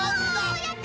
おやった！